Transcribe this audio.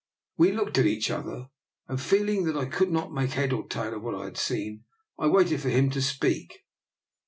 We looked at each other, and, feeling that I could not make head or tail of what I had seen, I waited for him to speak.